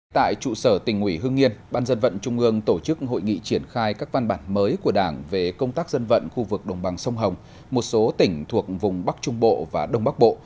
tại trụ sở tỉnh ủy hương nghiên ban dân vận trung ương tổ chức hội nghị triển khai các văn bản mới của đảng về công tác dân vận khu vực đồng bằng sông hồng một số tỉnh thuộc vùng bắc trung bộ và đông bắc bộ